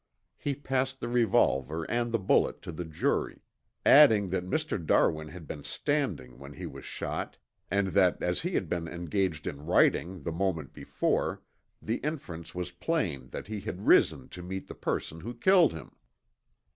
He passed the revolver and the bullet to the jury, adding that Mr. Darwin had been standing when he was shot, and that as he had been engaged in writing the moment before, the inference was plain that he had risen to meet the person who killed him.